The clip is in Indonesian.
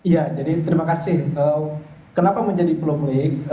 ya jadi terima kasih kenapa menjadi polemik